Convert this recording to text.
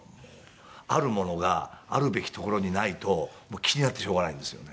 あるものがあるべき所にないと気になってしょうがないんですよね。